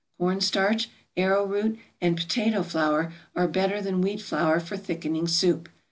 Corn starch, arrow root, and potato flour are better than wheat flour for thickening soup.